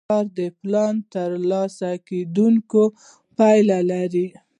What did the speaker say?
کاري پلان ترلاسه کیدونکې پایلې لري.